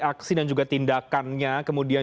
aksi dan juga tindakannya kemudian